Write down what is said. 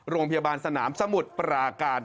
โรงพยาบาลสนามสมุทรปราการ